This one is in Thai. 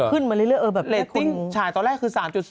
ขึ้นมาเรื่อยเออแบบให้คุณเล็ตติ้งฉายตอนแรกคือ๓๒